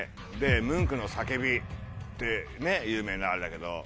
「ムンクの叫び」って有名なあれだけど。